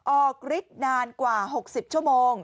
ออกฤทธิ์นานกว่า๖๐ชั่วโมง